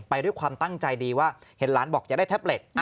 ไปด้วยความตั้งใจดีว่าเห็นหลานบอกจะได้แท็บเล็ต